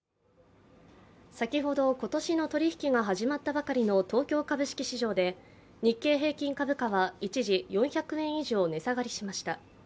先ほど今年の取引が始まったばかりの東京株式市場で日経平均株価は一時４００円以上値下がりしました。